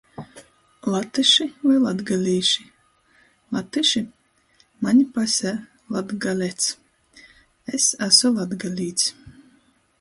Latyši voi latgalīši? Latyši? maņ pasē – latgalec! Es asu latgalīts!